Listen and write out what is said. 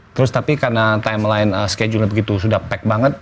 terus tapi karena timeline schedulenya begitu sudah pack banget